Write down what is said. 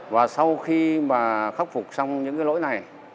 và sau khi mà khắc phục xong những cái lỗi này